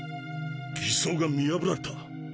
擬装が見破られた？